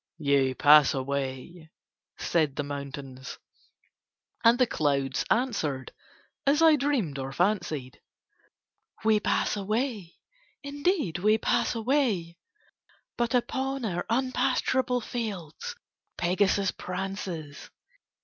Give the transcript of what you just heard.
"Ye pass away," said the mountains. And the clouds answered, as I dreamed or fancied, "We pass away, indeed we pass away, but upon our unpasturable fields Pegasus prances.